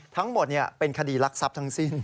ทั้งหมดเป็นคดีรักทรัพย์ทั้งสิ้น